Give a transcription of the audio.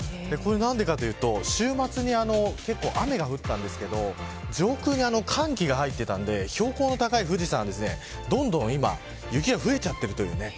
何でかというと、週末に結構雨が降ったんですけど上空に寒気が入っていたので標高の高い富士山どんどん雪が増えちゃっているという。